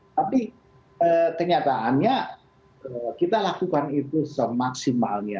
tapi ternyata hanya kita lakukan itu semaksimalnya